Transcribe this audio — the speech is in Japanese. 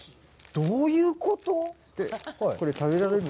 どういうこと？